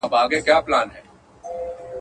زه به بختور یم ..